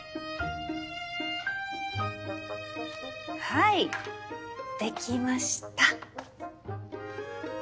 はいできました。